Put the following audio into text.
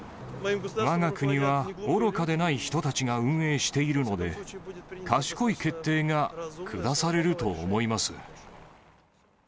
わが国は愚かでない人たちが運営しているので、賢い決定が下されると思います。